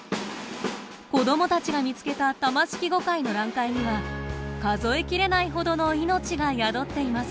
子どもたちが見つけたタマシキゴカイの卵塊には数え切れないほどの命が宿っています。